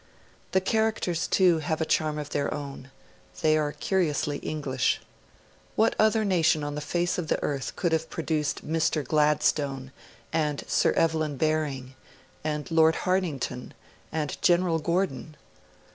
The characters, too, have a charm of their own: they are curiously English. What other nation on the face of the earth could have produced Mr. Gladstone and Sir Evelyn Baring and Lord Hartington and General Gordon?